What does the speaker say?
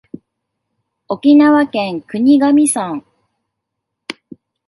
沖縄県国頭村